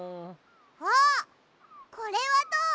あっこれはどう？